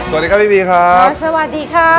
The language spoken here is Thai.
สวัสดีครับพี่บีครับสวัสดีค่ะ